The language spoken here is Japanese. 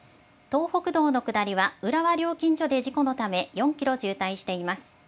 東北道の下りは、浦和料金所で事故のため、４キロ渋滞しています。